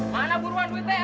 mana buruan duitnya